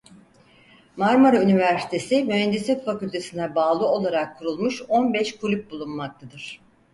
Marmara Üniversitesi Mühendislik Fakültesi'ne bağlı olarak kurulmuş on beş kulüp bulunmaktadır.